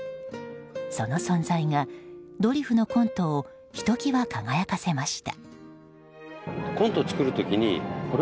その存在がドリフのコントをひと際輝かせました。